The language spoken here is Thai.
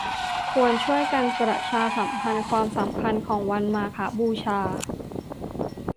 ควรช่วยกันประชาสัมพันธ์ความสำคัญของวันมาฆบูชา